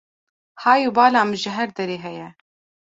Hay û bala min ji her derê heye